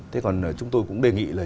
thế còn chúng tôi cũng đề nghị là